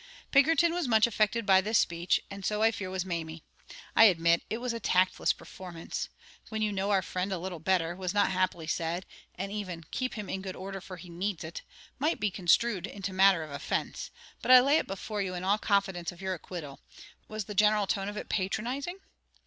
Pinkerton was much affected by this speech, and so, I fear, was Mamie. I admit it was a tactless performance. "When you know our friend a little better," was not happily said; and even "keep him in good order, for he needs it" might be construed into matter of offence; but I lay it before you in all confidence of your acquittal: was the general tone of it "patronising"?